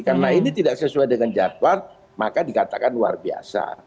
karena ini tidak sesuai dengan jadwal maka dikatakan luar biasa